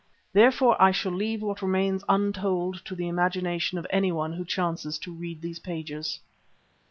Therefore I shall leave what remains untold to the imagination of anyone who chances to read these pages.